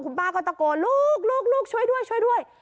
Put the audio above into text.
ป้าก็ตะโกนลูกลูกช่วยด้วยช่วยด้วย